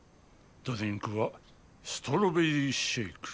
ドリンクはストロベリーシェイク。